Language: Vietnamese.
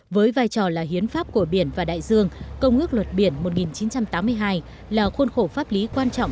với vai trò là hiến pháp của biển và đại dương công ước luật biển một nghìn chín trăm tám mươi hai là khuôn khổ pháp lý quan trọng